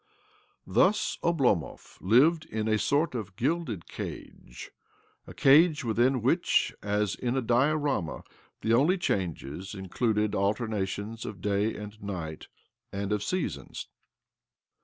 Thus Oblomov lived in a sort of gilde cage— a cage within which, as in a dioram; the only changes included alternation^ оГ da and night and of the seasons.